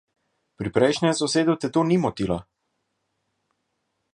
Pri prejšnjem sosedu te to ni motilo.